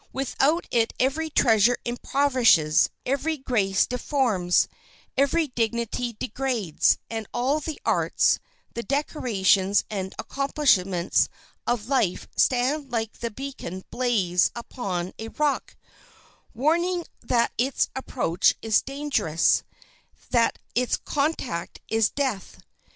Without it every treasure impoverishes, every grace deforms, every dignity degrades, and all the arts, the decorations, and accomplishments of life stand like the beacon blaze upon a rock, warning that its approach is dangerous, that its contact is death.